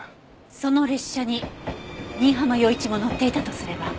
その列車に新浜陽一も乗っていたとすれば。